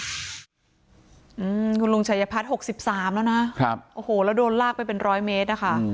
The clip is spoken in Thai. อืมคุณลุงชายพัฒน์หกสิบสามแล้วนะครับโอ้โหแล้วโดนลากไปเป็นร้อยเมตรอะค่ะ